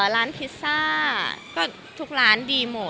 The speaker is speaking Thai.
พิซซ่าก็ทุกร้านดีหมด